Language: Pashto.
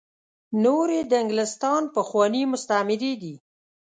نور یې د انګلستان پخواني مستعميري دي.